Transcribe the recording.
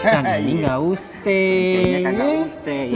dan ini gak usai